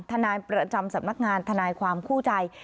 ทนายประจำสำนักงานทนายความคู่ใจ